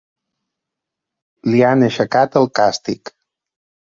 Li han aixecat el càstig.